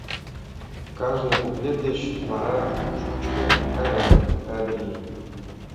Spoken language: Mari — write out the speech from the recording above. Кажне куплет деч вара шучкын кареныт: «Ка-ад-ри-и!».